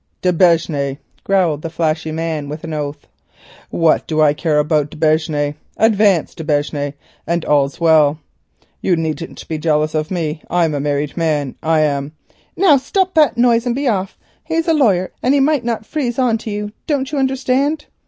"D'Aubigne," growled the flashy man with an oath, "what do I care about d'Aubigne? Advance, d'Aubigne, and all's well! You needn't be jealous of me, I'm——" "Now stop that noise and be off. He's a lawyer and he might not freeze on to you; don't you understand?"